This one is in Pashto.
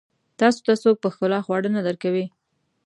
تاسو ته څوک په ښکلا خواړه نه درکوي.